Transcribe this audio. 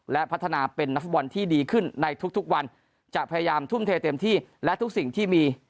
และพัฒนาเป็นนักฟุตบอลที่ดีขึ้นในทุกวันจะพยายามทุ่มเทเต็มที่และทุกสิ่งที่มี